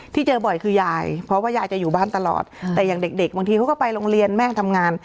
ที่เจอบ่อยคือยายเพราะว่ายายจะอยู่บ้านตลอดแต่อย่างเด็กบางทีเขาก็ไปโรงเรียนแม่ทำงาน